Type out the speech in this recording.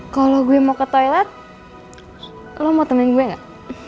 kalau gue mau ke toilet lo mau temenin gue gak